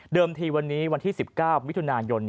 เดิมทีวันนี้วันที่๑๙วิทยุนายน